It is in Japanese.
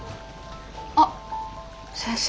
あっ先生。